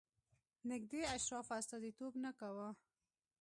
نږدې اشرافو استازیتوب نه کاوه.